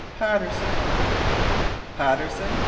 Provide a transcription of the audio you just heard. Patterson!" "Patterson?"